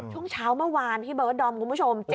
ช่วงเช้าเมื่อวานพี่เบิร์ดดอมคุณผู้ชม